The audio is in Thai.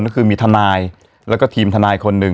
ก็คือมีทนายแล้วก็ทีมทนายคนหนึ่ง